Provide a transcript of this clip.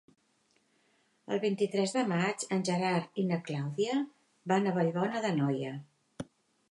El vint-i-tres de maig en Gerard i na Clàudia van a Vallbona d'Anoia.